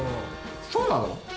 そうなの？